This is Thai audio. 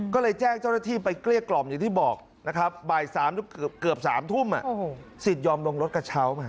ก็เลยแจ้งเจ้าหน้าที่ไปเกลี้ยกล่อมอย่างที่บอกนะครับบ่าย๓เกือบ๓ทุ่มสิทธิ์ยอมลงรถกระเช้ามา